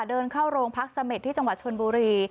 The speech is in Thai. เดินเข้าโรงพักเสม็ดที่จังหวัดชนบุรี